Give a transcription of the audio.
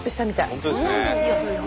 本当ですね。